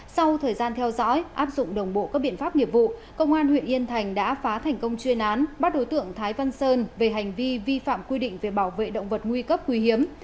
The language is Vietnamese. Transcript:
sau thời gian theo dõi áp dụng đồng bộ các biện pháp nghiệp vụ công an huyện yên thành đã phá thành công chuyên án bắt đối tượng thái văn sơn về hành vi vi phạm quy định về bảo vệ động vật nguy cấp quý hiếm